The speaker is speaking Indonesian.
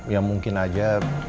ya mungkin aja